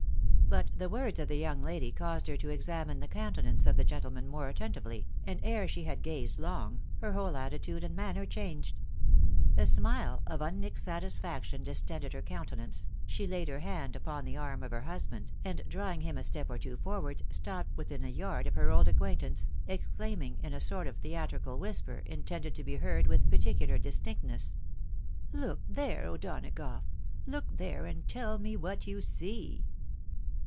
But the words of the young lady caused her to examine the countenance of the gentleman more attentively, and, ere she had gazed long, her whole attitude and manner changed ; a smile of unmixed satis faction distended her countenance, she laid her hand upon the arm of her husband, and, drawing him a step or two forward, stopped within a yard of her old acquaintance, exclaiming in a sort of theatrical whisper, intended to be heard with particular distinctness, " Look there, O'Donagough 1 Look there, and tell me what you see."